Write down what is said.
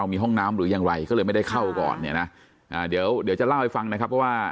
มีห้องน้ำหรือยังไรก็เลยไม่ได้เข้าก่อนเนี่ยนะเดี๋ยวเดี๋ยวจะเล่าให้ฟังนะครับเพราะว่า